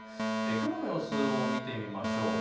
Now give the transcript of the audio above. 雲の様子を見てみましょう。